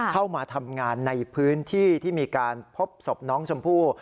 เข้ามาทำงานในพื้นที่ที่มีการพบศพน้องชมพู่